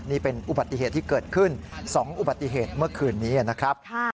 นี่เป็นอุบัติเหตุที่เกิดขึ้น๒อุบัติเหตุเมื่อคืนนี้นะครับ